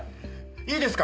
いいですか？